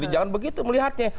jangan begitu melihatnya